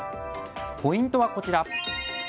ポイントはこちら。